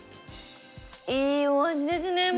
いいお味ですね。